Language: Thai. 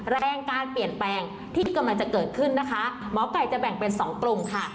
แรงการเปลี่ยนแปลงที่กำลังจะเกิดขึ้นนะคะหมอไก่จะแบ่งเป็นสองกลุ่มค่ะ